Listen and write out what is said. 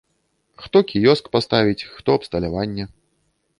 Хто кіёск паставіць, хто абсталяванне.